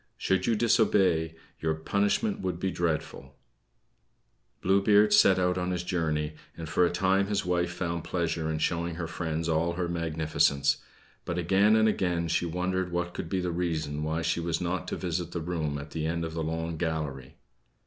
Should you disobey, your punishment would be dreadful." Blue Beard set out on his journey, and for a time his wife found pleasure in showing her friends all her magnificence; but again and again she wondered what could be the reason why she was not to visit the room at the end of the long gallery.